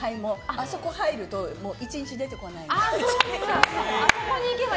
あそこに入ると１日出てこない。